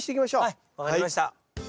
はいわかりました。